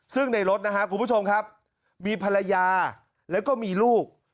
ซึ่งในรถนะครับคุณผู้ชมครับมีภรรยาแล้วก็มีลูก